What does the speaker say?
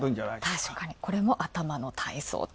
確かに、これも頭の体操と。